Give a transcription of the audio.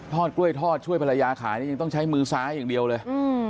กล้วยทอดช่วยภรรยาขายเนี่ยยังต้องใช้มือซ้ายอย่างเดียวเลย